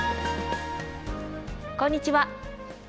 こんにちは。